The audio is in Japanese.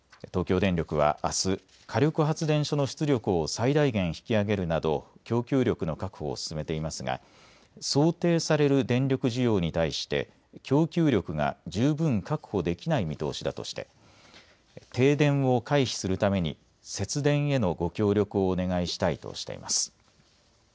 東京電力は、あす火力発電所の出力を最大限引き上げるなど供給力の確保を進めていますが想定される電力需要に対して供給力が十分確保できない見通しだとして停電を回避するために節電へのご協力をお願いしたいとしています。